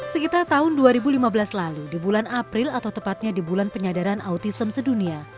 sekitar tahun dua ribu lima belas lalu di bulan april atau tepatnya di bulan penyadaran autism sedunia